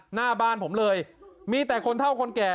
หน้าบ้านผมเลยมีแต่คนเท่าคนแก่